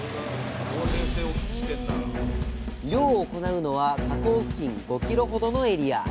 漁を行うのは河口付近５ｋｍほどのエリア。